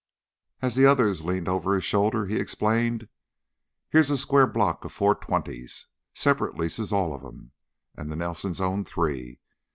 As the others leaned over his shoulder he explained: "Here's a square block of four twenties separate leases, all of 'em and the Nelsons own three.